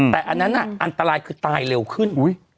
แต่อันนั้นอันตรายคือตายเร็วขึ้น